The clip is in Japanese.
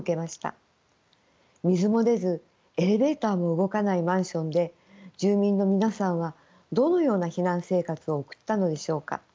水も出ずエレベーターも動かないマンションで住民の皆さんはどのような避難生活を送ったのでしょうか。